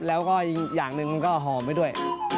แล้วก็อีกอย่างหนึ่งมันก็หอมไปด้วย